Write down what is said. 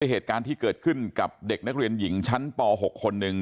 เหตุการณ์ที่เกิดขึ้นกับเด็กนักเรียนหญิงชั้นป๖คนหนึ่ง